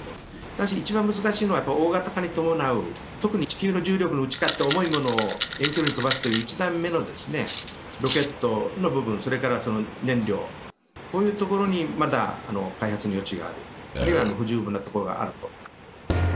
ただし、一番難しいのは、やっぱり大型化に伴う、特に地球の重力に打ち勝って重いものを遠距離に飛ばすという、１段目のロケットの部分、それからその燃料、こういうところにまだ開発の余地がある、あるいは不十分なところがあると。